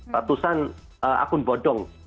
ratusan akun bodong